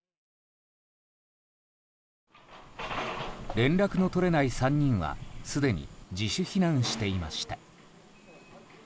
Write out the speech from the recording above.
連絡の取れない３人はすでに自主避難していました。